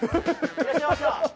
いらっしゃいました！